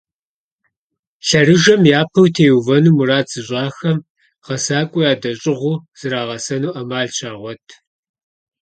Лъэрыжэм япэу теувэну мурад зыщIахэм, гъэсакIуэ ядэщIыгъуу зрагъэсэну Iэмал щагъуэт.